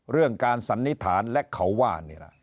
เรื่องการสันนิษฐานและเขาว่า